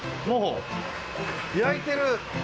焼いてる！